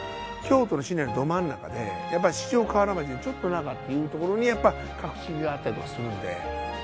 京都の市内のど真ん中でやっぱり四条河原町よりちょっと中っていうところにやっぱ格式があったりとかするんで。